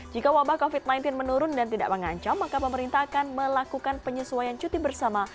jika wabah covid sembilan belas menurun dan tidak mengancam maka pemerintah akan melakukan penyesuaian cuti bersama